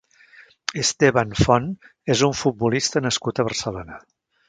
Esteban Font és un futbolista nascut a Barcelona.